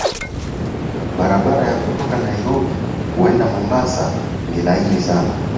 Barabara ya kutoka Nairobi kuenda Mombasa ni laini sana.